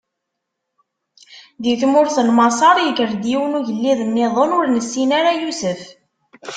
Di tmurt n Maṣer, ikker-d yiwen n ugellid-nniḍen ur nessin ara Yusef.